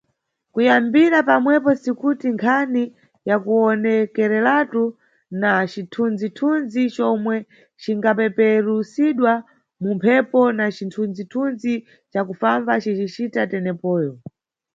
Kuyambira pamwepo sikuti nkhani yakuwonekeraletu na cithunzi-tunzi comwe ingapeperusidwa mu mphepo na cithunzi-thunzi ca kufamba cicita tenepoyo.